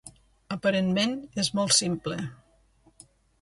Aparentment és molt simple.